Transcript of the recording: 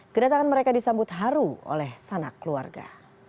kedatangan mereka disambut haru oleh sanak keluarga